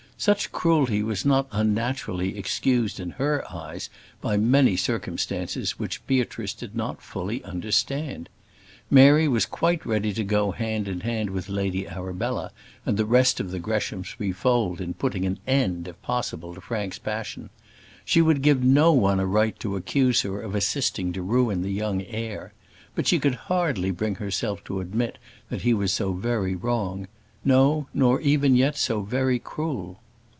Such cruelty was not unnaturally excused in her eyes by many circumstances which Beatrice did not fully understand. Mary was quite ready to go hand in hand with Lady Arabella and the rest of the Greshamsbury fold in putting an end, if possible, to Frank's passion: she would give no one a right to accuse her of assisting to ruin the young heir; but she could hardly bring herself to admit that he was so very wrong no, nor yet even so very cruel.